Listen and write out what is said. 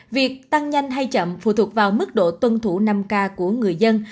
việc tăng nhanh hay chậm phụ thuộc vào mức độ tuân thủ năm k của người dân